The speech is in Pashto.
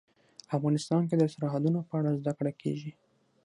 افغانستان کې د سرحدونه په اړه زده کړه کېږي.